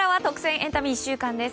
エンタメ１週間です。